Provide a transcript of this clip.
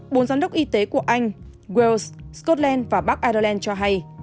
bốn giám đốc y tế của anh wells scotland và bắc ireland cho hay